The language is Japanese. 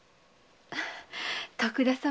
徳田様